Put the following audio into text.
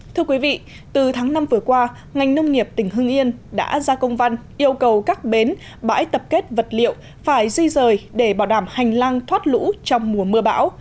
thưa quý vị từ tháng năm vừa qua ngành nông nghiệp tỉnh hưng yên đã ra công văn yêu cầu các bến bãi tập kết vật liệu phải di rời để bảo đảm hành lang thoát lũ trong mùa mưa bão